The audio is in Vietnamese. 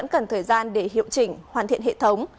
cần thời gian để hiệu chỉnh hoàn thiện hệ thống